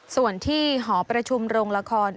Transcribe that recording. ส่วนที่หอประชุมโรงละคร